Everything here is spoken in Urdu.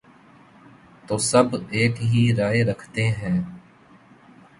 تو سب ایک ہی رائے رکھتے ہیں۔